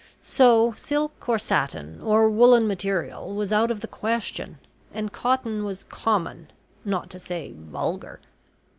So silk, or satin, or woollen material was out of the question, and cotton was common, not to say vulgar.